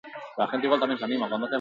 Umetako istorioak zergatik ahazten dira?